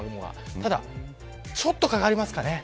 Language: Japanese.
ただ、ちょっと掛かりますかね。